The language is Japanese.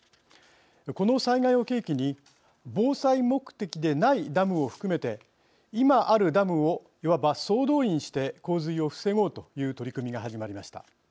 この災害を契機に防災目的でないダムを含めて今あるダムをいわば総動員して洪水を防ごうという取り組みが始まりました。